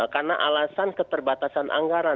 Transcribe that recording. karena alasan keterbatasan anggaran